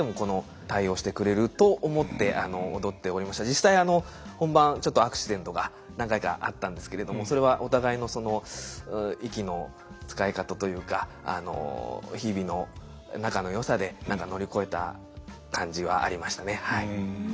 実際本番ちょっとアクシデントが何回かあったんですけれどもそれはお互いのその息の使い方というか日々の仲の良さで何か乗り越えた感じはありましたね。